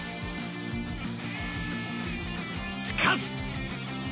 しかし！